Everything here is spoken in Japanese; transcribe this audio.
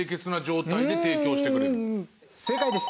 正解です。